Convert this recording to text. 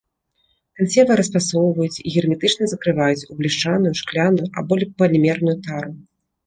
Кансервы расфасоўваюць і герметычна закрываюць у бляшаную, шкляную або палімерную тару.